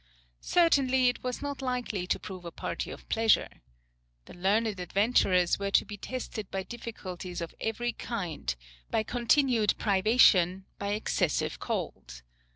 Certainly, it was not likely to prove a party of pleasure. The learned adventurers were to be tested by difficulties of every kind, by continued privation, by excessive cold.